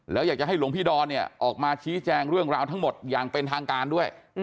แล้วอยากจะให้หลวงพี่ดอนเนี่ยออกมาชี้แจงเรื่องราวทั้งหมดอย่างเป็นทางการด้วย